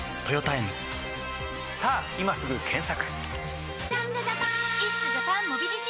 さぁ今すぐ検索！